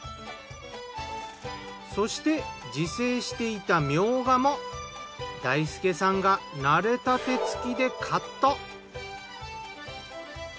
そして自生していたみょうがも大輔さんが慣れた手つきでカット。